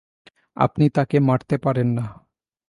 আপনি তাকে মারতে পারেন না!